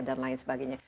dan lain sebagainya